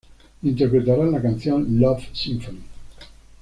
Interpretarán la canción Love Symphony.